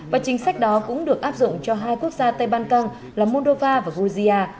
và chính sách đó cũng được áp dụng cho hai quốc gia tây ban căng là moldova và georgia